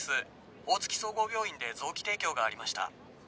☎大月総合病院で臓器提供がありました